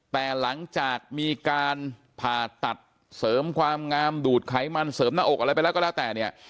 แต่หลังจากมีการผ่าตัดเสริมความงามดูดไขมันเสริมหน้าอกอะไรไปแล้วก็แล้วแต่เนี่ย